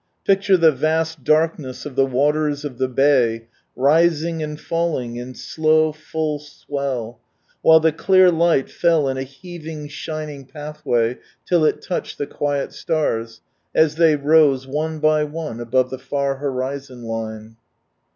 Picture the vast darkness of the waters of the Bay, rising and falling in slow, full, swell ; while the clear light fell in a heaving, shining, pathway, till it touched the quiet stars, as they rose one by one above the far horizon line.